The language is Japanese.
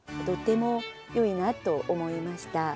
とてもよいなと思いました。